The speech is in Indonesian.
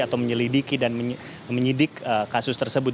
atau menyelidiki dan menyidik kasus tersebut